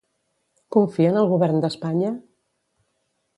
Confia en el govern d'Espanya?